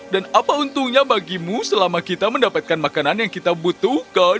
dan apa untungnya bagimu selama kita mendapatkan makanan yang kita butuhkan